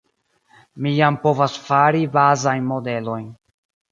mi jam povas fari bazajn modelojn